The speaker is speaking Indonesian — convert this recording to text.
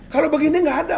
kalau begini nggak ada